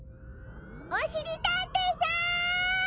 おしりたんていさん！